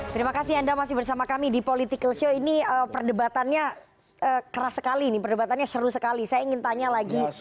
terima kasih anda masih bersama kami di political show ini perdebatannya keras sekali ini perdebatannya seru sekali saya ingin tanya lagi